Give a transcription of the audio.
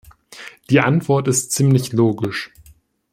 Die Antwort ist ziemlich logisch.